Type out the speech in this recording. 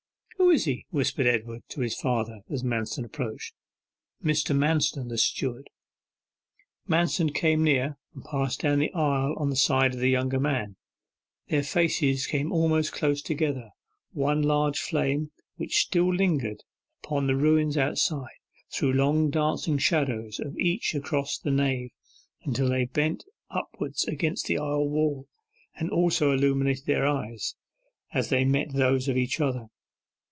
'Who is he?' whispered Edward to his father, as Manston approached. 'Mr. Manston, the steward.' Manston came near, and passed down the aisle on the side of the younger man. Their faces came almost close together: one large flame, which still lingered upon the ruins outside, threw long dancing shadows of each across the nave till they bent upwards against the aisle wall, and also illuminated their eyes, as each met those of the other.